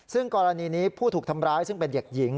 ซึ่งกรณีนี้ผู้ถูกทำร้ายซึ่งเป็นเด็กหญิง